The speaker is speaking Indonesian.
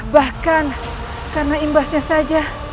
bahkan karena imbasnya saja